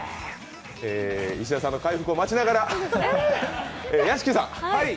石田さんの回復を待ちながら、屋敷さん。